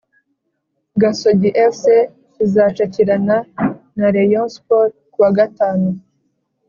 gasogi fc izacakirana na rayon sport kuwa gatanu